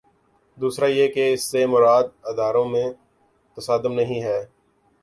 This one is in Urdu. دوسرا یہ کہ اس سے مراد اداروں میں تصادم نہیں ہے۔